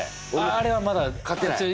あれはまだ買ってない？